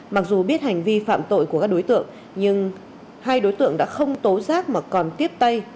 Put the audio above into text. mặc dù biết hành vi phạm tội của các đối tượng nhưng hai đối tượng đã không tố giác mà còn tiếp tay